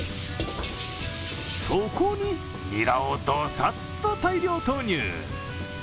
そこに、ニラをどさっと大量投入。